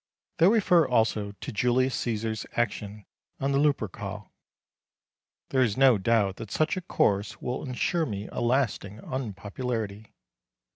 They refer also to Julius Cæsar's action on the Lupercal. There is no doubt that such a course will ensure me a lasting unpopularity.